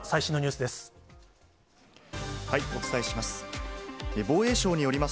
お伝えします。